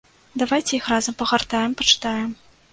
Давайце іх разам пагартаем, пачытаем.